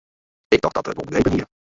Ik tocht dat er it wol begrepen hie.